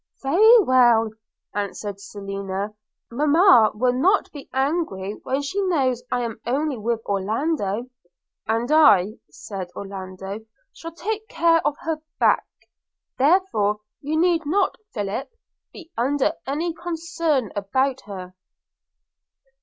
– 'Very well!' answered Selina; 'Mamma will not be angry when she knows I am only with Orlando.' 'And I,' said Orlando, 'shall take care of her back; therefore you need not, Philip, be under any concern about her.'